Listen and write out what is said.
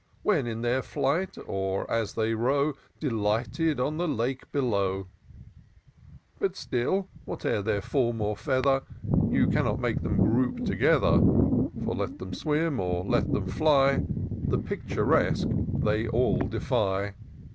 When in their flight, or as they row Delighted on the lake below ! But still, whate'er their form or feather, You cannot make them group together ; For let them swim or let them fly. The Picturesque they all defy.